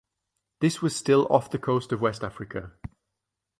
This was still off the coast of West Africa.